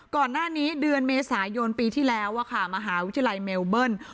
ก่อนหน้านี้เดือนเมษายนปีที่แล้วมหาวิทยาลัยเมลเบิ้ล